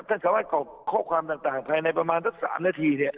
ท่านจะให้กรอกข้อความต่างในประมาณสัก๓นาที